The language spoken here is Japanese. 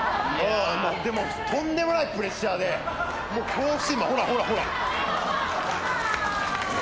でも、とんでもないプレッシャーで恐怖心がほらほら、ほら！